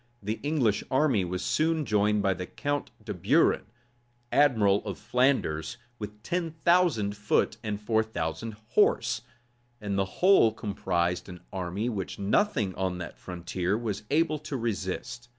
The English army was soon joined by the count de Buren, admiral of Flanders, with ten thousand foot and four thousand horse; and the whole composed an army which nothing on that frontier was able to resist.